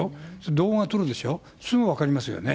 動画撮るでしょ、すぐ分かりますよね。